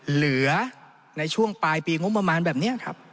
เหลือในช่วงปลายปีงบประมาณแบบนี้ครับ